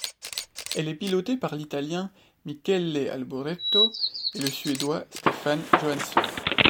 Elle est pilotée par l'Italien Michele Alboreto et le Suédois Stefan Johansson.